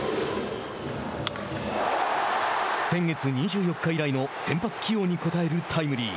先月２４日以来の先発起用に応えるタイムリー。